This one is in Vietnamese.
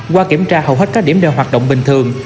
qua kiểm tra hầu hết các điểm đều hoạt động bình thường